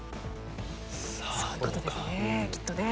そういう事ですねきっとね。